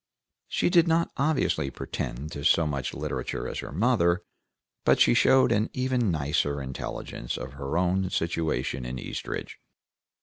She did not obviously pretend to so much literature as her mother, but she showed an even nicer intelligence of our own situation in Eastridge.